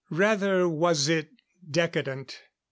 Rather was it decadent.